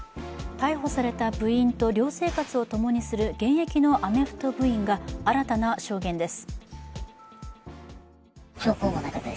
逮捕された部員と寮生活をともにする現役のアメフト部員が新たな証言です。